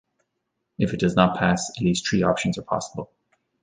If it does not pass, at least three options are possible.